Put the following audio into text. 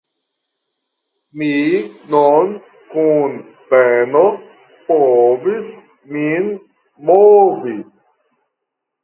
Mi nur kun peno povis min movi.